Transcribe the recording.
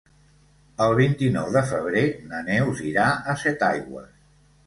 El vint-i-nou de febrer na Neus irà a Setaigües.